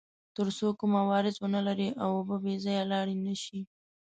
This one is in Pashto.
تر څو کوم عوارض ونلري او اوبه بې ځایه لاړې نه شي.